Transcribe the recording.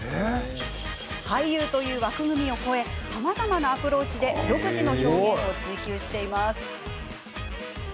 俳優という枠組みを超えさまざまなアプローチで独自の表現を追求しています。